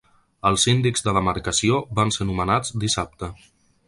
Els síndics de demarcació van ser nomenats dissabte.